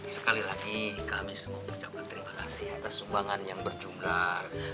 sekali lagi kami sungguh berterima kasih atas sumbangan yang berjumlah